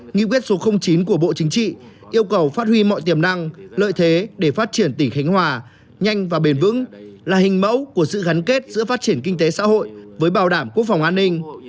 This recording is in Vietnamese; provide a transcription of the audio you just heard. nghị quyết số chín của bộ chính trị yêu cầu phát huy mọi tiềm năng lợi thế để phát triển tỉnh khánh hòa nhanh và bền vững là hình mẫu của sự gắn kết giữa phát triển kinh tế xã hội với bảo đảm quốc phòng an ninh